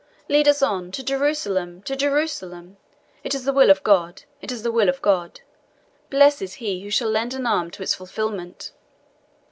Lead us on to Jerusalem to Jerusalem! It is the will of God it is the will of God! Blessed is he who shall lend an arm to its fulfilment!"